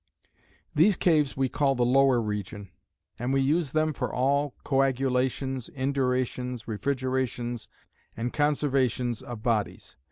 These caves we call the Lower Region; and we use them for all coagulations, indurations, refrigerations, and conservations of bodies.